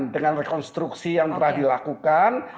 dengan rekonstruksi yang telah dilakukan